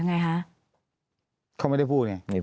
แต่ได้ยินจากคนอื่นแต่ได้ยินจากคนอื่น